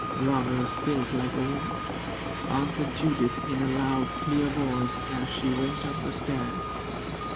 "Rather a spirit like a woman!" answered Judith, in a loud, clear voice, as she went up the stairs.